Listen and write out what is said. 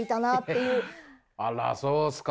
あらそうっすか。